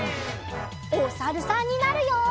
おさるさんになるよ！